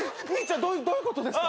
どどういうことですか？